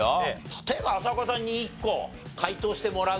例えば浅丘さんに一個解答してもらうとかね。